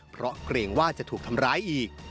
เพราะเกรงว่าจะถูกทำร้ายอีก